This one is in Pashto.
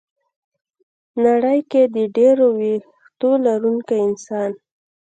ه نړۍ کې د ډېرو وېښتو لرونکي انسان